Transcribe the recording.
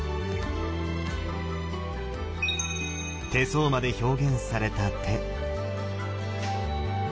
手相まで表現された手。